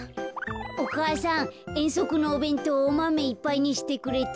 お母さんえんそくのおべんとうおマメいっぱいにしてくれた？